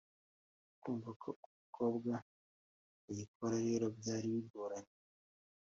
kumva ko umukobwa ayikora rero, byari bigoranye